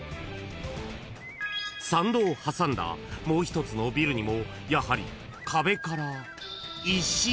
［参道を挟んだもう一つのビルにもやはり壁から］